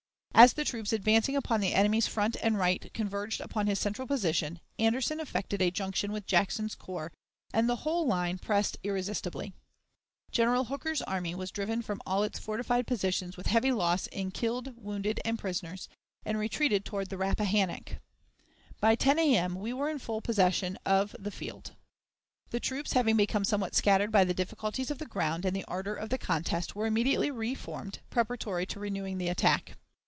As the troops advancing upon the enemy's front and right converged upon his central position, Anderson effected a junction with Jackson's corps, and the whole line pressed irresistibly. General Hooker's army was driven from all its fortified positions with heavy loss in killed, wounded, and prisoners, and retreated toward the Rappahannock. By 10 A.M. we were in full possession of the field. The troops, having become somewhat scattered by the difficulties of the ground and the ardor of the contest, were immediately reformed, preparatory to renewing the attack.